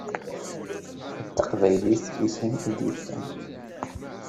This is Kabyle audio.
D taqbaylit i kem-id-yefkan.